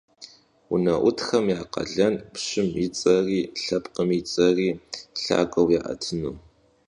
УнэӀутхэм я къалэнт пщым и цӀэри, лъэпкъым и цӀэри лъагэу яӀэтыну.